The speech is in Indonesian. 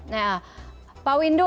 nah pak windu